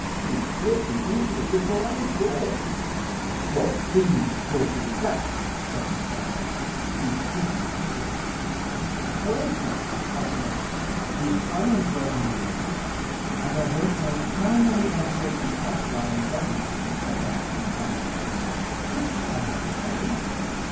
"We split the Eagle before I was born." '"What thieves' talk is that?" said my Father. He hated slang. '"Well, sir," I said, "we've one Emperor in Rome, and I don't know how many Emperors the outlying Provinces have set up from time to time. Which am I to follow?"